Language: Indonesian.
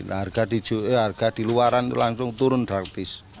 nah harga di luaran itu langsung turun praktis